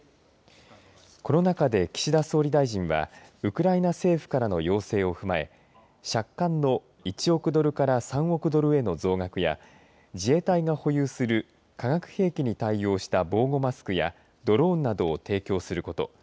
この中で岸田総理大臣はウクライナ政府からの要請を踏まえ借款の１億ドルから３億ドルの増額や自衛隊が保有する化学兵器に対応した防護マスクやドローンなどを提供すること。